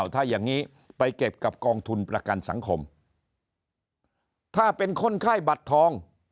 ถ้าอย่างนี้ไปเก็บกับกองทุนประกันสังคมถ้าเป็นคนไข้บัตรทอง